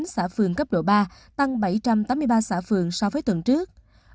một tám trăm năm mươi chín xã phường cấp độ ba tăng bảy trăm tám mươi ba xã phường so với tuần trước